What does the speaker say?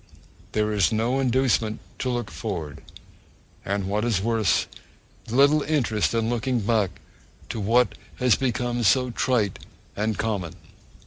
There is no inducement to look forward; and what is worse, little interest in looking back to what has become so trite and common.